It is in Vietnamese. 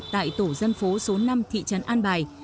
tại tổ dân phố số năm thị trấn an bài